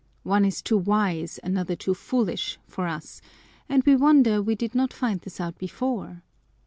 One is too wise, another too foolish, for us ; and we wonder we did not find this out before.